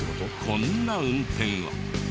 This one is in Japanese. こんな運転を。